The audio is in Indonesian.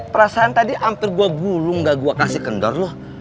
perasaan tadi gue gulung gak gue kasih kendor lu